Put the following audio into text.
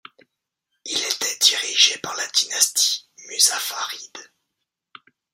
Il était dirigé par la dynastie Muzaffaride.